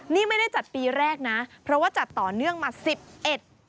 นี่ไม่ได้จัดปีแรกนะเพราะว่าจัดต่อเนื่องมาสิบเอ็ด